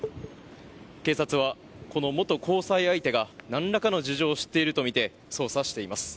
警察は、この元交際相手が何らかの事情を知っているとみて捜査しています。